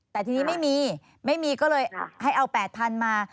แต่ทีนี้ไม่มีไม่มีก็เลยให้เอา๘๐๐๐มา